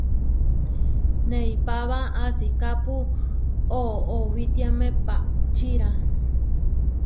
Neipába asikápu oʼowitiáme paʼčirá.